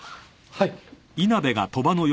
はい。